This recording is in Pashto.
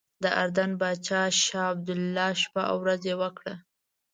د اردن پاچا شاه عبدالله شپه او ورځ یوه کړه.